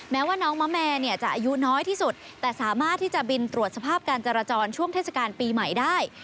แม้ว่าน้องมะแม่เนี่ยจะอายุน้อยที่สุดแต่สามารถที่จะบินตรวจสภาพการจราจรช่วงเทศกาลปีใหม่ได้